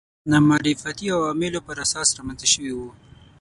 نامعرفتي عواملو پر اساس رامنځته شوي وو